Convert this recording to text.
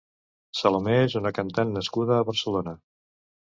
Salomé és una cantant nascuda a Barcelona.